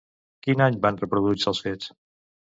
Quin any van produir-se els fets?